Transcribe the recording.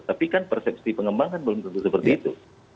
tapi kan persepsi pengembangan belum tentu seperti itu